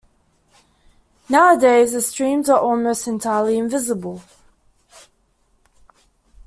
Nowadays, the streams are almost entirely invisible.